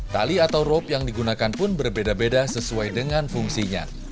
tali atau rope yang digunakan pun berbeda beda sesuai dengan fungsinya